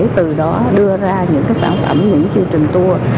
từ đó đưa ra những sản phẩm những chương trình tour